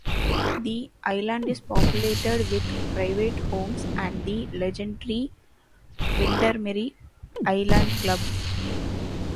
The island is populated with private homes and the legendary Windermere Island Club.